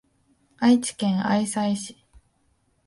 愛知県愛西市